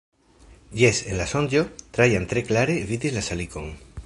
Jes, en la sonĝo, Trajan tre klare vidis la salikon.